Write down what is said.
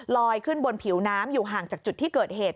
ขึ้นบนผิวน้ำอยู่ห่างจากจุดที่เกิดเหตุ